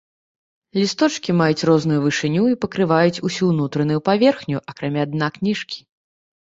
Лісточкі маюць розную вышыню і пакрываюць ўсю ўнутраную паверхню, акрамя дна кніжкі.